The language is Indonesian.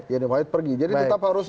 yeni wahid pergi jadi tetap harus